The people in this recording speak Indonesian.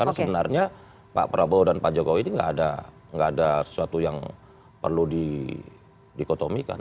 karena sebenarnya pak prabowo dan pak jokowi ini gak ada gak ada sesuatu yang perlu diikotomikan